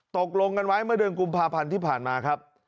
ตกลงกันไว้เมื่อเดือนกุมภาพันธ์ที่ผ่านมาครับ